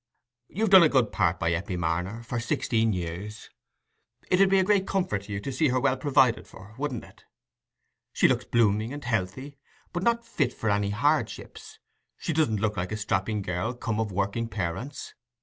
"You've done a good part by Eppie, Marner, for sixteen years. It 'ud be a great comfort to you to see her well provided for, wouldn't it? She looks blooming and healthy, but not fit for any hardships: she doesn't look like a strapping girl come of working parents.